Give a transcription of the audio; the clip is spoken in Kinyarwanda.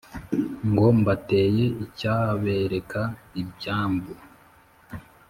ngo : mbateye icyabereka ibyambu